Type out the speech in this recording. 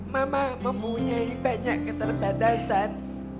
mama mempunyai banyak keterbadasan